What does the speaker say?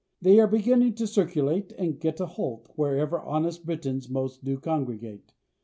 They are beginning to circulate And "geta holt" Wherever honest Britons most do congregate.